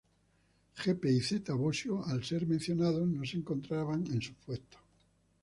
Gepe y Zeta Bosio al ser mencionados no se encontraban en sus puestos.